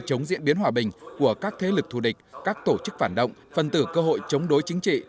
chống diễn biến hòa bình của các thế lực thù địch các tổ chức phản động phân tử cơ hội chống đối chính trị